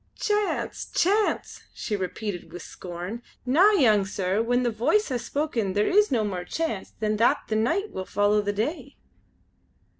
"Chance! chance!" she repeated with scorn. "Na! young sir; when the Voice has spoken there is no more chance than that the nicht will follow the day."